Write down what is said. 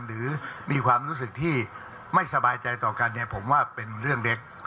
หรือมีความรู้สึกที่ไม่สบายใจต่อกันเนี่ยผมว่าเป็นเรื่องเล็ก